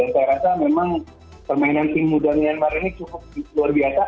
saya rasa memang permainan tim muda myanmar ini cukup luar biasa